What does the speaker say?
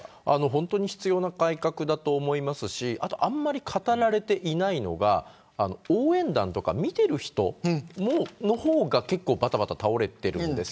本当に必要な改革だと思いますしあまり語られていないのが応援団とか見ている人の方が結構ばたばた倒れてるんです。